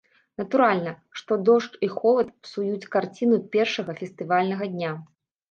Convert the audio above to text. Натуральна, што дождж і холад псуюць карціну першага фестывальнага дня.